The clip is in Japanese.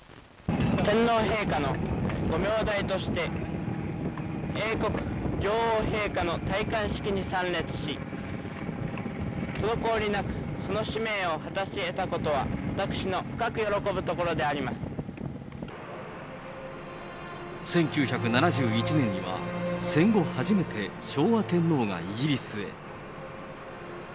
天皇陛下のご名代として英国女王陛下の戴冠式に参列し、滞りなくその使命を果たしえたことは、私の深く喜ぶところであり１９７１年には、戦後初めて、昭和天皇がイギリスへ。